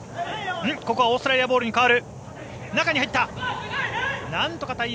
ここはオーストラリアボールに変わる。